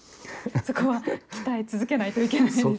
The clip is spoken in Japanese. そこは鍛え続けないといけないですよね。